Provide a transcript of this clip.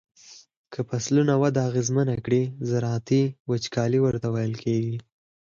فصلونو وده اغیزمنه کړي زراعتی وچکالی ورته ویل کیږي.